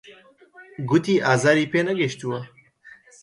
گوتی ئازاری پێ نەگەیشتووە.